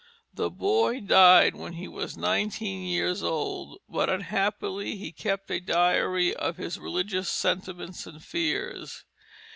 The boy died when he was nineteen years old, but unhappily he kept a diary of his religious sentiments and fears.